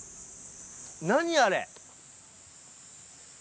何あれ？